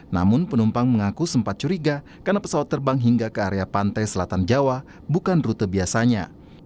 namun penumpang mengaku sempat curiga karena pesawat terbang hingga ke area pantai selatan jawa bukan rute biasanya